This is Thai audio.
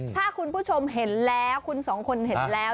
ถ้าคุณผู้ชมเห็นแล้วคุณสองคนเห็นแล้ว